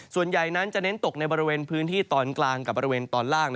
ส่วนใหญ่นั้นจะเน้นตกในบริเวณพื้นที่ตอนกลางกับบริเวณตอนล่าง